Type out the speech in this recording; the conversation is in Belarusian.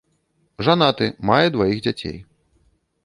Жанаты, мае дваіх дзяцей.